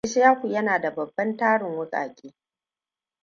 Ishaku yana da babban tarin wukake.